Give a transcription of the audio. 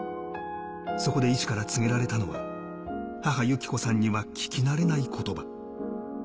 そこで医師から告げられたのは、母・由起子さんには聞き慣れない言葉。